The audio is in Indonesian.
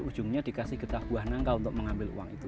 ujungnya dikasih getah buah nangka untuk mengambil uang itu